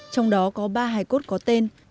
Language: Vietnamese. trong đó có ba hải cốt có tên